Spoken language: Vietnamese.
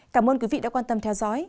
cảm ơn quý vị đã quan tâm theo dõi